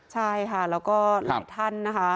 ใช่ค่ะแล้วก็หลายท่านนะคะ